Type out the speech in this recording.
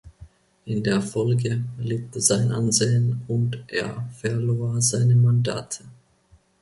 In der Folge litt sein Ansehen und er verlor seine Mandate.